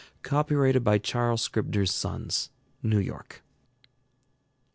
Copyrighted by Charles Scribner's Sons, New York.